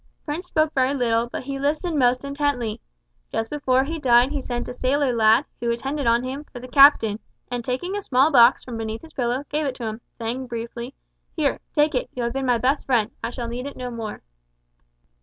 The prince spoke very little, but he listened most intently. Just before he died he sent a sailor lad who attended on him, for the captain, and, taking a small box from beneath his pillow, gave it to him, saying briefly, `Here, take it, you have been my best friend, I shall need it no more.'